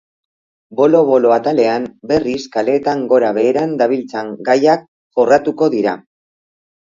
Bolo-bolo atalean, berriz, kaleetan gora beheran dabiltzan gaiak jorratuko dira.